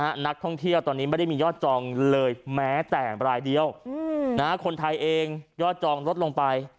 นักท่องเที่ยวตอนนี้ไม่ได้มียอดจองเลยแม้แต่รายเดียวอืมนะฮะคนไทยเองยอดจองลดลงไป